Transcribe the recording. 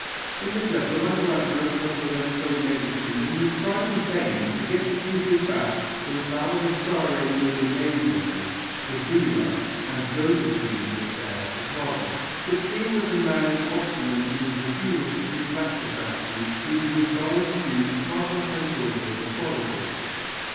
In this letter Michelangelo tells Lorenzo Medici that he has tried in vain to get the Cupid back from Baldassarre Milanese, the dealer and go between in the affair of the Cardinal, but seeing that the man is obstinate in his refusal to give back the statue he has been advised to use Cardinal San Giorgio's authority.